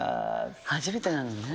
初めてなのね。